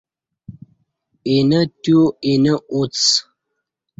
آینہ تیو آینہ اوڅ